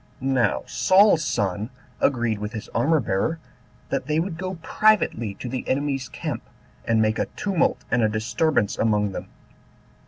Now Saul's son agreed with his armor bearer, that they would go privately to the enemy's camp, and make a tumult and a disturbance among them.